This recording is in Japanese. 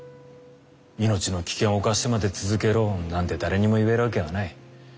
命の危険を冒してまで続けろなんて誰にも言えるわけはない。